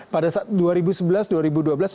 pada saat dua ribu sebelas dua ribu dua belas